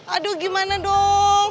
aduh gimana dong